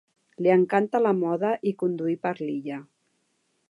Li encanta la moda i conduir per l'illa.